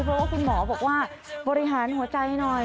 เพราะว่าคุณหมอบอกว่าบริหารหัวใจหน่อย